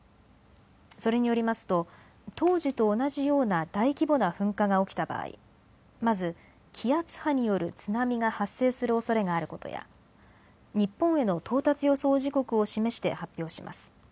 それによりますと当時と同じような大規模な噴火が起きた場合、まず気圧波による津波が発生するおそれがあることや日本への到達予想時刻を示して発表します。